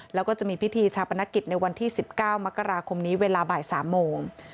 แล้วก็จะมีพิธีชาปนกิจในวันที่๑๙มกราคมนี้เวลาบ่าย๓โมง